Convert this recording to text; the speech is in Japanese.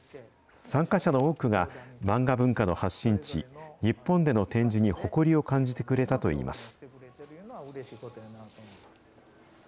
参加者の多くが、漫画文化の発信地、日本での展示に誇りを感じてくれたといいます。